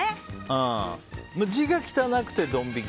字が汚くてドン引き。